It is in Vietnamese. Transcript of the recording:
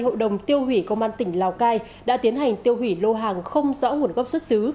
hội đồng tiêu hủy công an tỉnh lào cai đã tiến hành tiêu hủy lô hàng không rõ nguồn gốc xuất xứ